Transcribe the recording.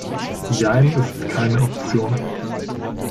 Jein ist keine Option.